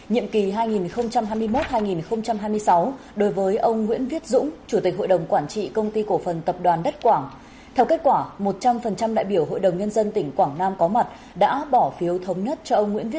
hãy đăng ký kênh để ủng hộ kênh của mình nhé